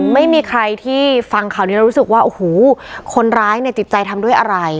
ไม่มีใครที่ฟังข่าวนี้แล้วรู้สึกว่าโอ้โหคนร้ายเนี่ยจิตใจทำด้วยอะไร